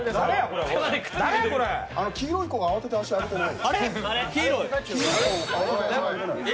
黄色い子が慌てて足上げてない？